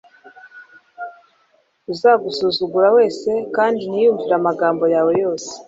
uzagusuzugura wese kandi ntiyumvire amagambo yawe yose